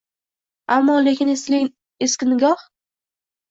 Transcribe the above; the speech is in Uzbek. Ammo-lekin eski nikoh...